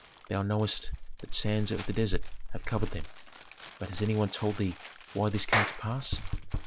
Thou knowest that sands of the desert have covered them. But has any one told thee why this came to pass?